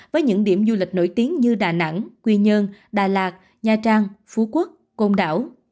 với những điểm du lịch nổi tiếng như đà nẵng quy nhơn đà lạt nha trang phú quốc côn đảo